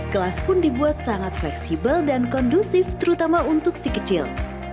kelas pun dibuat sangat fleksibel dan kondusif terutama untuk si kecil